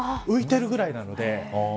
浮いているぐらいなので。